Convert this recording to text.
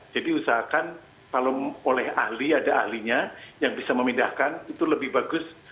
jadi usahakan kalau oleh ahli ada ahlinya yang bisa memindahkan itu lebih bagus